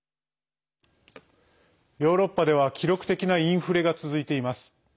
ヨーロッパでは記録的なインフレが続いています。